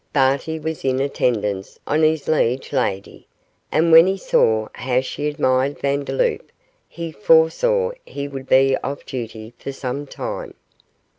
Barty was in attendance on his liege lady, and when he saw how she admired Vandeloup, he foresaw he would be off duty for some time.